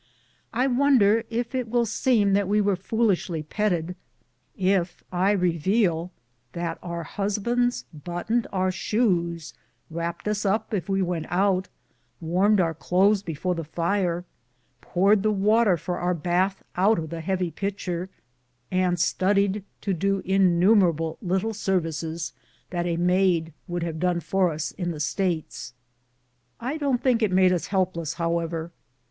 I wonder if it will seem that we were foolishly petted if I reveal that our husbands buttoned our shoes, wrapped us up if w^e went out, warmed our clothes before the fire, poured the water for our bath out of the heavy pitcher, and studied to do innumerable little services that a maid would have done for us in the States. I don't think it made us helpless, however.